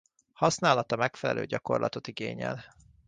Használata megfelelő gyakorlatot igényel.